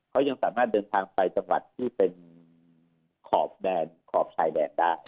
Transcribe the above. เขายังสามารถเดินทางไปทางจังหวัดที่เป็นขอบใดก็ได้